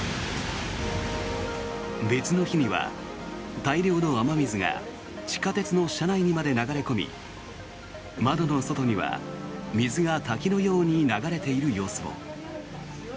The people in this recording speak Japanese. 別の日には大量の雨水が地下鉄の車内にまで流れ込み窓の外には水が滝のように流れている様子も。